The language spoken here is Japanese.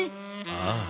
ああ。